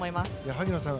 萩野さん